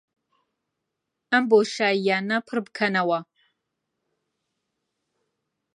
ئەم بۆشایییانە پڕ بکەنەوە